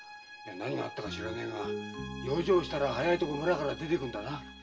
何があったか知らんが養生したら早いとこ村から出てくんだな。